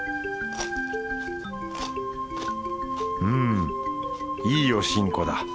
うんいいおしんこだ。